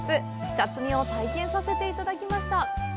茶摘みを体験させていただきました。